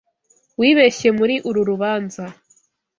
Wibeshye muri uru rubanza.